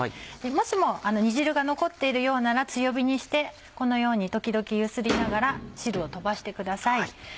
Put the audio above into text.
もしも煮汁が残っているようなら強火にしてこのように時々揺すりながら汁を飛ばしてください。